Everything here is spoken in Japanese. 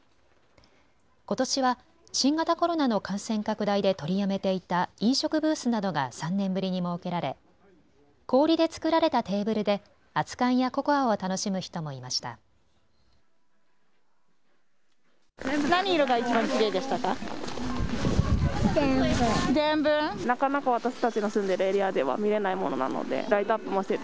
ことしは新型コロナの感染拡大で取りやめていた飲食ブースなどが３年ぶりに設けられ氷で作られたテーブルで熱かんやココアを楽しむ人もいました。